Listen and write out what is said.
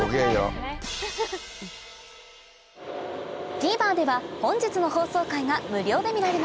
ＴＶｅｒでは本日の放送回が無料で見られます